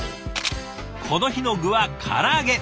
この日の具は唐揚げ。